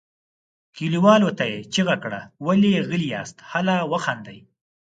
کليوالو ته یې چیغه کړه ولې غلي یاست هله وخاندئ.